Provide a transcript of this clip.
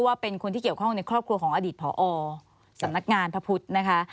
ว่าเป็นคนที่เกี่ยวข้องในครอบครัวของอดีตผอสำนักงานพระพุทธนะคะ